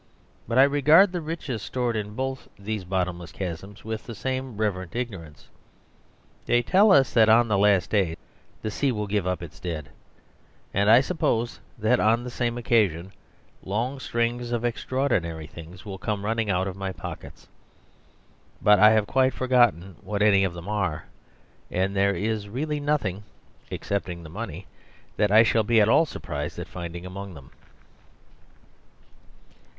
But I regard the riches stored in both these bottomless chasms with the same reverent ignorance. They tell us that on the last day the sea will give up its dead; and I suppose that on the same occasion long strings of extraordinary things will come running out of my pockets. But I have quite forgotten what any of them are; and there is really nothing (excepting the money) that I shall be at all surprised at finding among them.